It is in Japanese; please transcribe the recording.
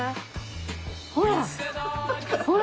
ほら！